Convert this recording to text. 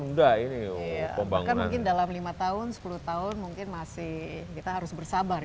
mungkin dalam lima tahun sepuluh tahun kita masih harus bersabar